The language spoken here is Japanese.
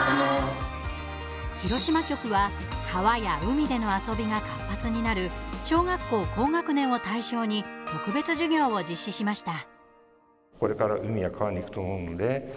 広島局は川や海での遊びが活発になる小学校高学年を対象に特別授業を実施しました。